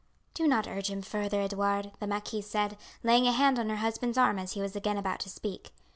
"Do not urge him further, Edouard," the marquise said, laying a hand on her husband's arm as he was again about to speak.